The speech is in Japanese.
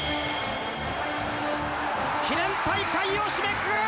記念大会を締めくくる